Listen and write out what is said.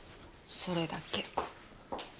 それだけ。